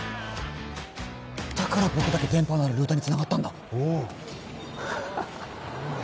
だから僕だけ電波のあるルーターにつながったんだおうハハハ